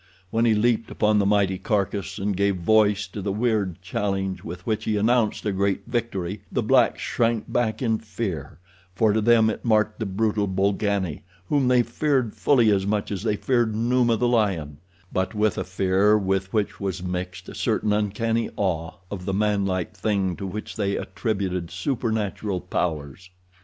When he leaped upon the mighty carcass, and gave voice to the weird challenge with which he announced a great victory, the blacks shrank back in fear, for to them it marked the brutal Bolgani, whom they feared fully as much as they feared Numa, the lion; but with a fear with which was mixed a certain uncanny awe of the manlike thing to which they attributed supernatural powers.